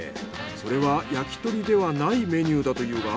それは焼き鳥ではないメニューだというが。